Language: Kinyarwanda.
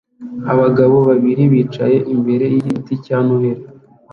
Abagabo babiri bicaye imbere yigiti cya Noheri